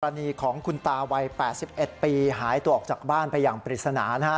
รณีของคุณตาวัย๘๑ปีหายตัวออกจากบ้านไปอย่างปริศนานะฮะ